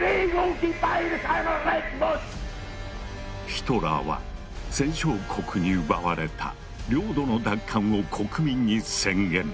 ヒトラーは戦勝国に奪われた領土の奪還を国民に宣言。